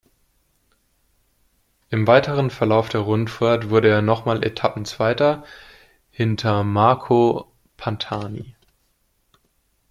Im weiteren Verlauf der Rundfahrt wurde er nochmal Etappenzweiter hinter Marco Pantani.